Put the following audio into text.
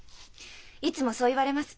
いつもそう言われます。